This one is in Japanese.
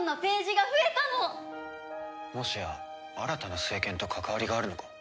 もしや新たな聖剣と関わりがあるのか？